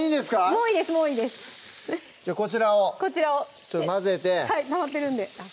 もういいですもういいですじゃあこちらをちょっと混ぜて混ざってるんであっ